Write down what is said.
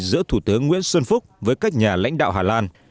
giữa thủ tướng nguyễn xuân phúc với các nhà lãnh đạo hà lan